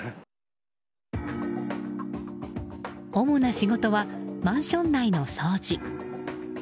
主な仕事はマンション内の掃除。